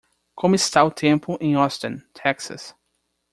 Como está o tempo em Austin, Texas?